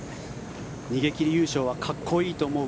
逃げ切り優勝はかっこいいと思う